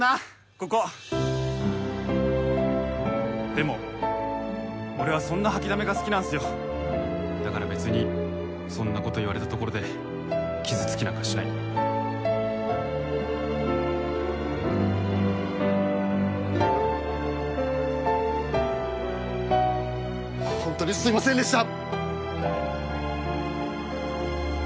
ここでも俺はそんな掃きだめが好きなんすよだから別にそんなこと言われたところで傷つきなんかしないホントにすいませんでした！